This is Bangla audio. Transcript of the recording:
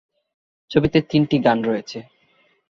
ছবিতে তিনটি গান রয়েছে।